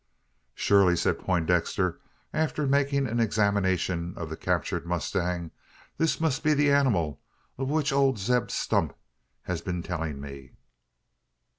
"Surely," said Poindexter, after making an examination of the captured mustang, "this must be the animal of which old Zeb Stump has been telling me?"